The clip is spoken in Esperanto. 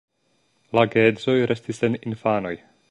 La geedzoj restis sen infanoj.